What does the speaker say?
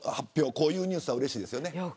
こういうニュースはうれしいですよね。